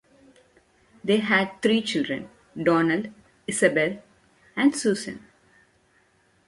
They had three children: Donald, Isabel and Susan.